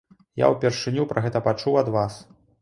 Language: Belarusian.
Я ўпершыню пра гэта пачуў ад вас.